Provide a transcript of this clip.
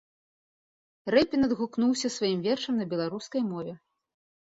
Рэпін адгукнуўся сваім вершам на беларускай мове.